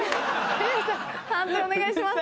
判定お願いします。